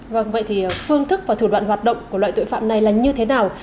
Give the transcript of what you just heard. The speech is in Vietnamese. vâng vậy thì phương thức và thủ đoạn hoạt động của loại tội phạm này là như thế nào